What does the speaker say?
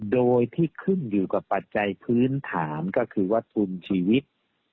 โดยที่ขึ้นอยู่กับปัจจัยพื้นฐานก็คือวัตถุชีวิต